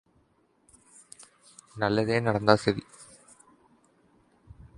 கோமுகன் அதைக் கேட்டவுடன் நரவாணனைப் பார்த்து மென்முறுவல் பூத்தான்.